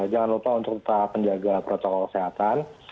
jangan lupa untuk tetap menjaga protokol kesehatan